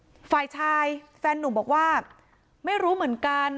ฝ่ายชายแฟนนุ่มบอกว่าไม่รู้เหมือนกัน